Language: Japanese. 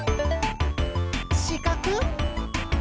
しかく！